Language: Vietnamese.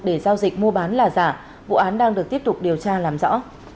để giao dịch mua bán là giả vụ án đang được tiếp tục điều tra làm rõ